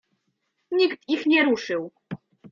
Nikt ich nie ruszył.